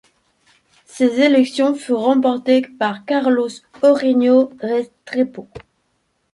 Ces élections furent remportées par Carlos Eugenio Restrepo.